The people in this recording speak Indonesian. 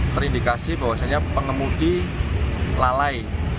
terindikasi bahwasannya pengemudi lalai